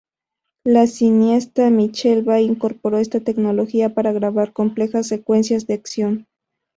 El cineasta Michael Bay incorporó esta tecnología para grabar complejas secuencias de acción.